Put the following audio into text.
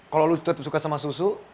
kalau lo suka sama susu